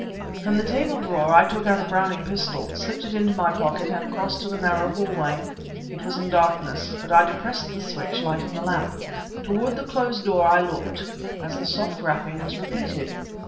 From the table drawer I took out a Browning pistol, slipped it into my pocket and crossed to the narrow hallway. It was in darkness, but I depressed the switch, lighting the lamp. Toward the closed door I looked as the soft rapping was repeated.